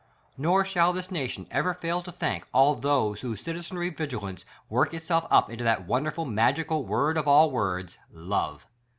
Nor shall this nation every fail to thank all those whose citizenry vigilance work itself up into that wonderful, magical word of all words — love.